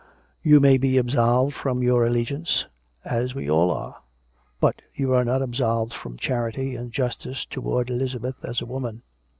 You may be absolved from your allegiance, as we all are; but you are not absolved from charity and justice towards Elizabeth as a woman.